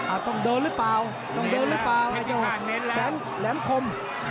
อ่าต้องเดินหรือเปล่าต้องเดินหรือเปล่าแหลมแหลมคม